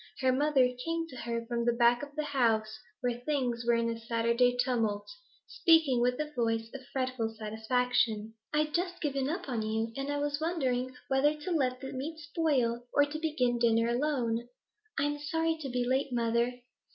Her mother came to her from the back of the house, where things were in Saturday tumult, speaking with a voice of fretful satisfaction. 'I'd just given you up, and was wondering whether to let the meat spoil or begin dinner alone.' 'I am sorry to be late, mother.'